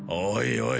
おい